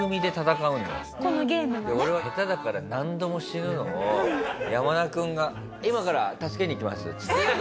俺は下手だから何度も死ぬのを山田君が「今から助けに行きます」っつって。